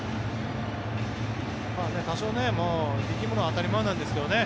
多少、力むのは当たり前なんですけどね